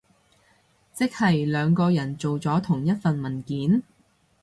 即係兩個人做咗同一份文件？